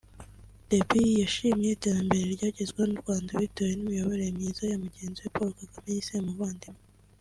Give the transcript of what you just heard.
Déby yashimye iterambere ryagezweho n’u Rwanda bitewe n’imiyoborere myiza ya mugenzi we Paul Kagame yise umuvandimwe